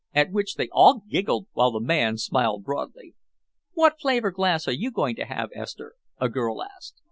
At which they all giggled, while the man smiled broadly. "What flavor glass are you going to have, Esther?" a girl asked.